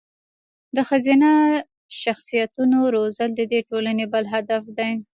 د ښځینه شخصیتونو روزل د دې ټولنې بل هدف دی.